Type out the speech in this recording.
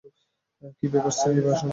কী ব্যাপার, শ্রীনিবাসন?